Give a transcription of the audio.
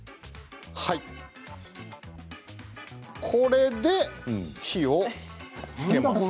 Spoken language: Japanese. これで火をつけます。